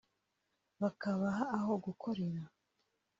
bakabaha aho gukorera